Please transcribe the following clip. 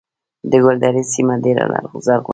د ګلدرې سیمه ډیره زرغونه ده